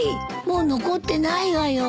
もう残ってないわよ。